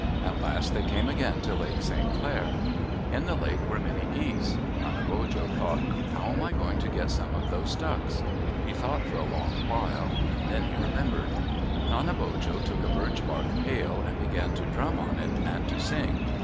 At last they came again to Lake St. Clair. In the lake were many geese. Nanebojo thought, "How am I going to get some of those ducks?" He thought for a long while. Then he remembered. Nanebojo took a birch bark pail, and began to drum on it and to sing.